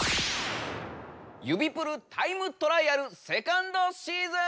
指プルタイムトライアルセカンドシーズン！